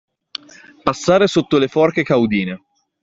Passare sotto le forche caudine.